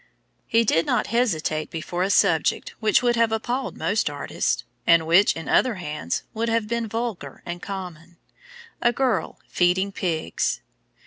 He did not hesitate before a subject which would have appalled most artists, and which, in other hands, would have been vulgar and common, A Girl Feeding Pigs.